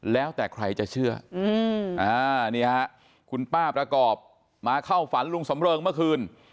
แล้วแต่ใครจะเชื่อนี่ฮะคุณป้าประกอบมาเข้าฝันลุงสำเริงเมื่อคืน